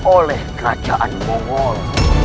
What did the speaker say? oleh kerajaan mongol